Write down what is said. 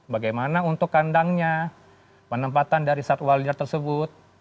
bagaimana untuk kandangnya penempatan dari satwa liar tersebut